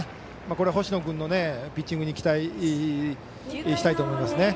これは星野君のピッチングに期待したいと思いますね。